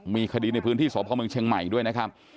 มีคดีในพื้นที่สพเมืองเชียงใหม่ด้วยนะครับ